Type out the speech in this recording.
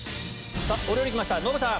お料理来ましたノブさん。